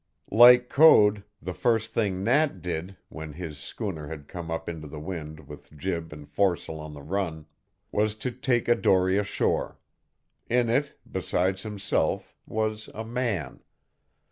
Like Code, the first thing Nat did, when his schooner had come up into the wind with jib and foresail on the run, was to take a dory ashore. In it, besides himself, was a man.